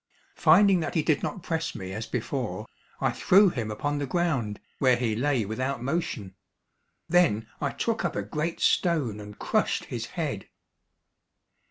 Finding that he did not press me as before, I threw him upon the ground, where he lay without motion; then I took up a great stone and crushed his head.